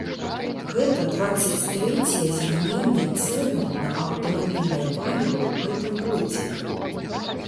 Гэта дваццаць трэцяе змяненне цэнаў на аўтамабільнае паліва ў гэтым годзе.